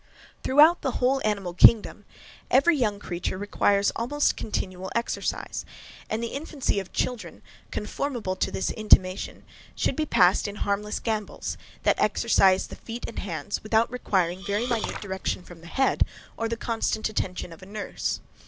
Throughout the whole animal kingdom every young creature requires almost continual exercise, and the infancy of children, conformable to this intimation, should be passed in harmless gambols, that exercise the feet and hands, without requiring very minute direction from the head, or the constant attention of a nurse.